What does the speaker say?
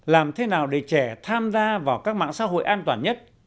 làm thế nào để trẻ tham gia vào các mạng xã hội an toàn nhất